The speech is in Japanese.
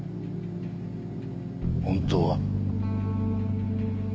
本当は。